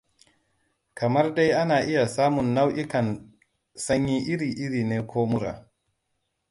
kamar dai ana iya samun nau’ikan sanyi iri-iri ne ko mura